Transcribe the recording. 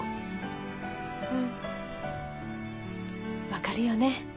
分かるよね？